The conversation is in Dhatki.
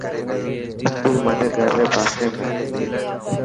اسڪول مانجي گھر ري پاسي ۾.